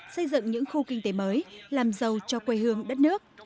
xây dựng những khu kinh tế mới làm giàu cho quê hương đất nước